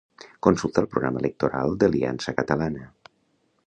Consulta el Programa Electoral d'Aliança Catalana.